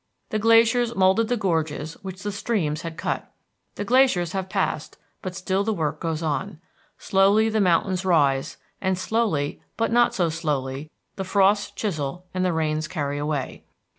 The glaciers moulded the gorges which the streams had cut. The glaciers have passed, but still the work goes on. Slowly the mountains rise, and slowly, but not so slowly, the frosts chisel and the rains carry away.